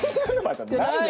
じゃない。